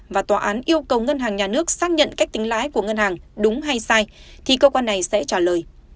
và tòa án yêu cầu ngân hàng nhà nước xác nhận cách tính lãi của ngân hàng đúng hay sai thì cơ quan này sẽ trả lời